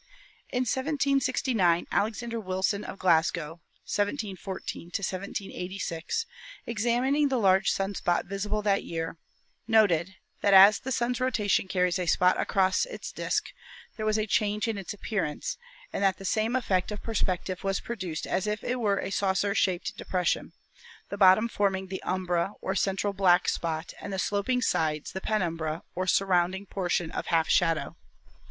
In 1769 Alexander Wilson, of Glasgow (1714 1786), ex amining the large sun spot visible that year, noted that, as the Sun's rotation carries a spot across its disk, there was a change in its appearance, and that the same effect of perspective was produced as if it were a saucer shaped depression, the bottom forming the umbra or central black spot and the sloping sides the penumbra or surrounding portion of half shadow.